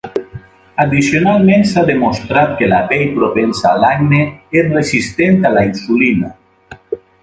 Addicionalment, s'ha demostrat que la pell propensa a l'acne és resistent a la insulina.